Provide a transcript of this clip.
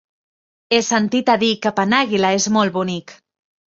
He sentit a dir que Penàguila és molt bonic.